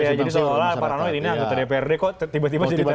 jadi seolah olah paranoid ini anggota dprd kok tiba tiba jadi terlalu